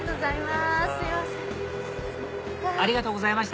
ありがとうございます。